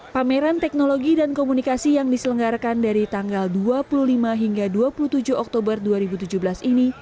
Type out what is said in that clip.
pameran teknologi dan komunikasi yang diselenggarakan dari tanggal dua puluh lima hingga dua puluh tujuh oktober dua ribu tujuh belas ini